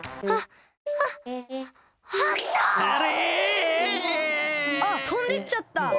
あっとんでっちゃった。